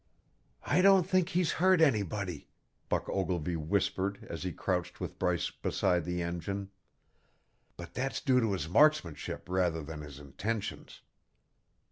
"I don't think he's hurt anybody," Buck Ogilvy whispered as he crouched with Bryce beside the engine, "but that's due to his marksmanship rather than his intentions."